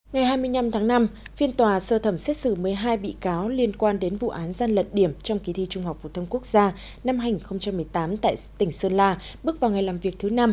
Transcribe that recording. ngày hai mươi năm tháng năm phiên tòa sơ thẩm xét xử một mươi hai bị cáo liên quan đến vụ án gian lận điểm trong kỳ thi trung học phổ thông quốc gia năm hai nghìn một mươi tám tại tỉnh sơn la bước vào ngày làm việc thứ năm